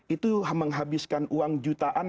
itu menghabiskan uang jutaan